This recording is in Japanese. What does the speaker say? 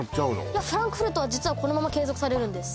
いやフランクフルトは実はこのまま継続されるんです